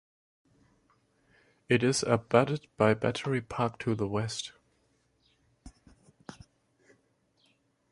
It is abutted by Battery Park to the west.